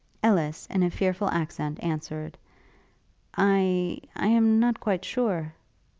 Ellis, in a fearful accent, answered, 'I ... I am not quite sure.'